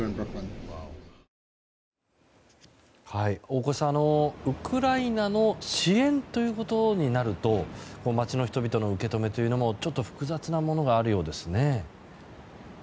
大越さん、ウクライナへの支援ということになると町の人々の受け止めというのも複雑なものがあるようですね。